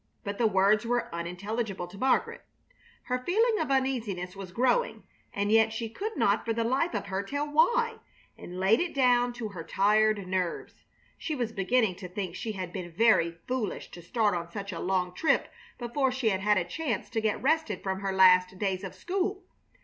But the words were unintelligible to Margaret. Her feeling of uneasiness was growing, and yet she could not for the life of her tell why, and laid it down to her tired nerves. She was beginning to think she had been very foolish to start on such a long trip before she had had a chance to get rested from her last days of school.